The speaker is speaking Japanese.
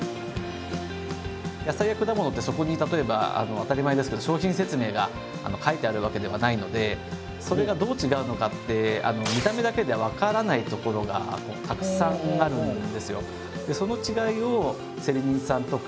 野菜や果物ってそこに例えば当たり前ですけど商品説明が書いてあるわけではないのでそれがどうちがうのかって見た目だけでは分からないところがたくさんあるんですよ。